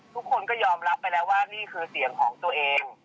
ทุกคนก็ยอมรับไปแล้วว่านี่คือเสียงของตัวเอง